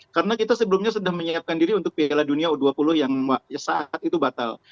karena kita sebelumnya sudah menyiapkan diri untuk piala dunia u dua puluh yang saat itu batal